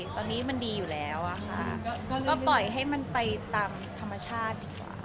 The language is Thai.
ตอนนี้มันดีอยู่แล้วอะค่ะก็ปล่อยให้มันไปตามธรรมชาติดีกว่า